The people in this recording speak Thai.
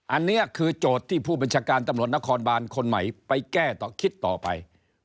อันนี้คือโจทย์ที่ผู้บัญชาการตำรวจนครบานคนใหม่ไปแก้คิดต่อไป